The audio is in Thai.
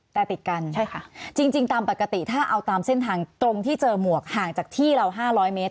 แต่ติดกันใช่ค่ะจริงตามปกติถ้าเอาตามเส้นทางตรงที่เจอหมวกห่างจากที่เรา๕๐๐เมตร